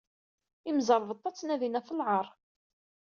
Imẓerbeḍḍa ttnadin ɣef lɛaṛ.